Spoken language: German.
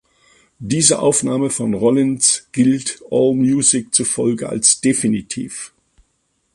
Diese Aufnahme von Rollins gilt Allmusic zufolge als definitiv.